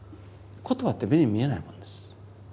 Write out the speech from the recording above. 言葉って目に見えないものです。